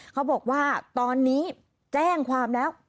เขาบอกว่าตอนนี้แจ้งความแล้ว